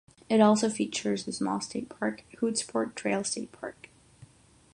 It also features a small state park, Hoodsport Trail State Park.